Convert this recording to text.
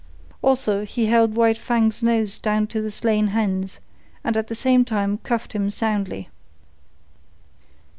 Also, he held White Fang's nose down to the slain hens, and at the same time cuffed him soundly.